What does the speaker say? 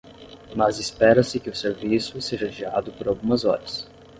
Mas espera-se que o serviço seja adiado por algumas horas.